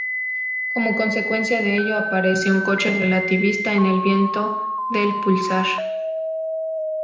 Como consecuencia de ello, aparece un choque relativista en el viento del pulsar.